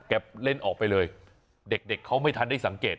เล่นออกไปเลยเด็กเขาไม่ทันได้สังเกต